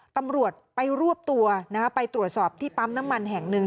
ตำรวจไปรวบตัวนะฮะไปตรวจสอบที่ปั๊มน้ำมันแห่งหนึ่ง